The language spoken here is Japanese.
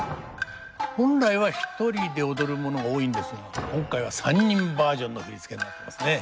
本来は一人で踊るものが多いんですが今回は３人バージョンの振り付けになってますね。